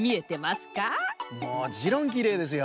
もちろんきれいですよ。